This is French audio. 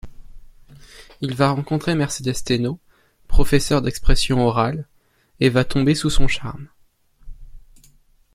Il va rencontrer Mercedes Tainot, professeur d'expression orale, et va tomber sous son charme.